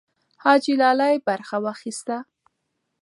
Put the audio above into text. حاجي لالی برخه واخیسته.